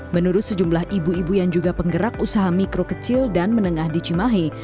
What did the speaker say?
menurut sejumlah ibu ibu yang juga penggerak usaha mikro kecil dan menengah di cimahi